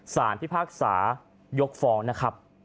พิพากษายกฟ้องนะครับ